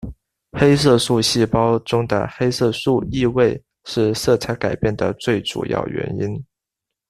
黑色素细胞中的黑色素易位是色彩改变的最主要原因。